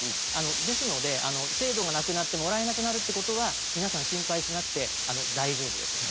ですので、制度がなくなってもらえなくなるということは皆さん心配しなくて大丈夫です。